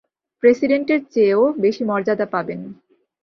প্রেসিডেন্টের চেয়েও বেশি মর্যাদা পাবেন।